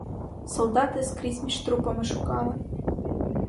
Солдати скрізь між трупами шукали.